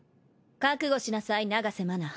覚悟しなさい長瀬麻奈。